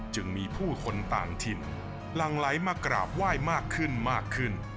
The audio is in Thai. จึงมีผู้คนต่างถิ่นหลังไหลมากราบไหว้มากขึ้นมากขึ้น